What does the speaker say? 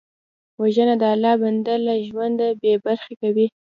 وژنه د الله بنده له ژونده بېبرخې کوي